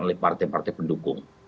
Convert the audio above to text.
oleh partai partai pendukung